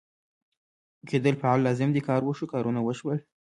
کېدل فعل لازم دی کار وشو ، کارونه وشول